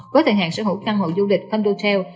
với thời hạn sở hữu căn hộ du lịch thundertail